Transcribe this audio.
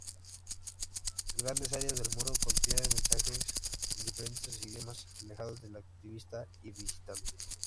Grandes áreas del muro contienen mensajes en diferentes idiomas dejados por activistas y visitantes.